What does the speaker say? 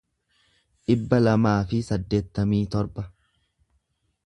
dhibba lamaa fi saddeettamii torba